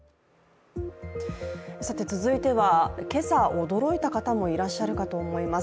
続いては、今朝、驚いた方もいらっしゃるかと思います。